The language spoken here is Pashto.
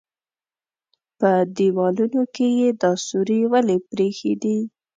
_په دېوالونو کې يې دا سوري ولې پرېښي دي؟